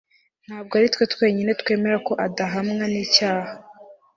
ntabwo ari twe twenyine twemera ko adahamwa n'icyaha